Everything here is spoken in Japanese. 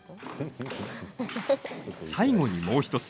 最後に、もう１つ。